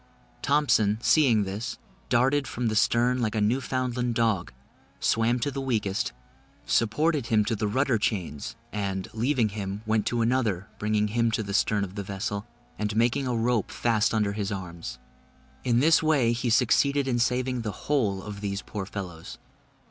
Thompson, seeing this, darted from the stern like a Newfoundland dog, swam to the weakest, supported him to the rudder chains, and, leaving him, went to another, bringing him to the stern of the vessel, and making a rope fast under his arms. In this way he succeeded in saving the whole of these poor fellows.